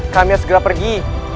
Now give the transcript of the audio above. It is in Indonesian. kami harus segera pergi